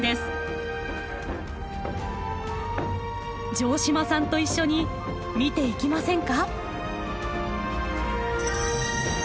城島さんと一緒に見ていきませんか？